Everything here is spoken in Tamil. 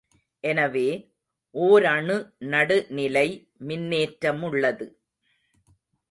எனவே, ஓரணு நடுநிலை மின்னேற்றமுள்ளது.